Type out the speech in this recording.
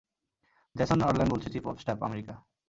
Jason Orlan বলছি, chief of staff, America.